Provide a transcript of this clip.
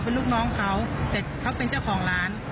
เป็นลูกน้องเขาแต่เขาเป็นเจ้าของร้าน